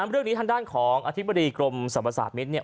เรื่องนี้ทางด้านของอธิบดีกรมสรรพศาสมิตร